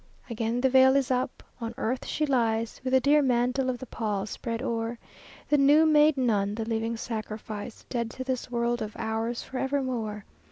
Again the veil is up. On earth she lies, With the drear mantle of the pall spread o'er. The new made nun, the living sacrifice, Dead to this world of ours for evermore!